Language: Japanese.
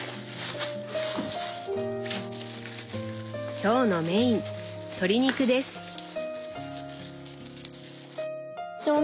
今日のメイン鶏肉です。